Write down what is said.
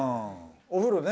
お風呂ね